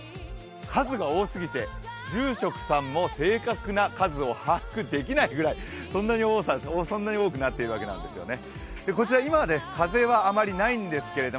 数が多すぎて住職さんも正確な数を把握できないくらいそんなに多くなっているわけですよね。